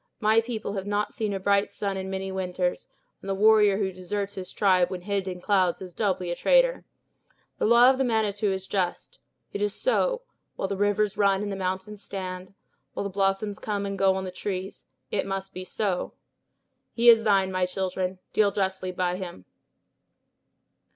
My people have not seen a bright sun in many winters; and the warrior who deserts his tribe when hid in clouds is doubly a traitor. The law of the Manitou is just. It is so; while the rivers run and the mountains stand, while the blossoms come and go on the trees, it must be so. He is thine, my children; deal justly by him."